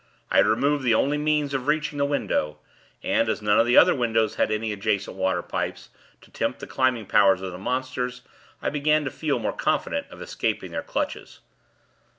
I had removed the only means of reaching the window, and, as none of the other windows had any adjacent water pipes, to tempt the climbing powers of the monsters, I began to feel more confident of escaping their clutches.